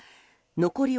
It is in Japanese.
残り